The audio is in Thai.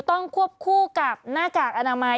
ควบคู่กับหน้ากากอนามัย